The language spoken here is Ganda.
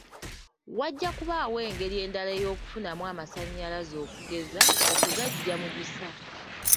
Wajja kubaawo engeri endala y'okufunamu amasannyalaze okugeza: okugaggya mu busa.